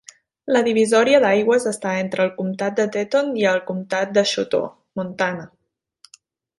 La divisòria d'aigües està entre el comtat de Teton i el comtat de Chouteau, Montana.